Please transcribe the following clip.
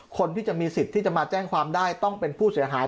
คนที่จะมีสิทธิ์ที่จะมาแจ้งความได้ต้องเป็นผู้เสียหาย